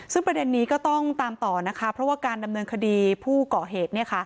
ซึ่งประเด็นนี้ก็ต้องตามต่อนะคะเพราะว่าการดำเนินคดีผู้ก่อเหตุ